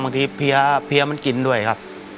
บางทีเพี้ยมันกินด้วยครับ